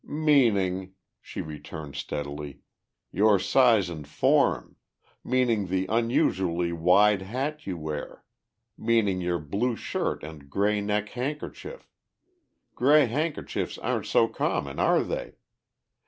"Meaning," she returned steadily, "your size and form; meaning the unusually wide hat you wear; meaning your blue shirt and grey neck handkerchief ... grey handkerchiefs aren't so common, are they?...